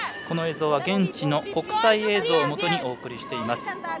この映像は現地の国際映像をもとにお送りしています。